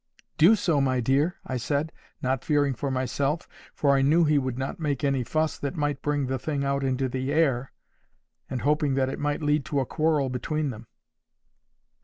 —"Do so, my dear," I said, not fearing for myself, for I knew he would not make any fuss that might bring the thing out into the air, and hoping that it might lead to a quarrel between them.